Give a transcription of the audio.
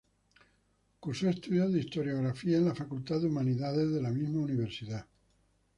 Cursó estudios de Historiografía en la Facultad de Humanidades de la misma universidad.